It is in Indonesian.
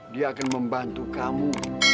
dia akan membantu kamu